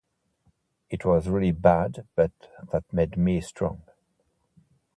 It was really bad, but that made me strong.